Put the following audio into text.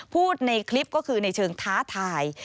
พูดในคลิปก็คือในเชิงท้าทาย